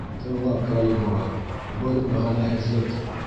Тыңла, Калигула, был мәғәнәһеҙлек.